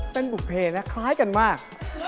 เป็นปุ๊ปเพลย์นะคล้ายกันมาก